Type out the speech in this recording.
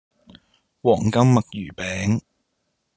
黃金墨魚餅